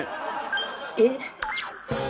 えっ？